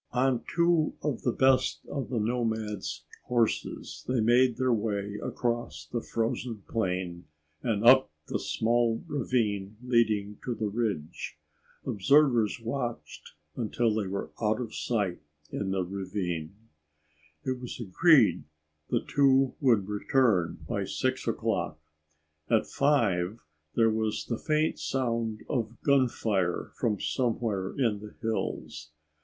On two of the best of the nomads' horses, they made their way across the frozen plain and up the small ravine leading to the ridge. Observers watched until they were out of sight in the ravine. It was agreed the two would return by 6 o'clock. At 5 there was the faint sound of gunfire from somewhere in the hills.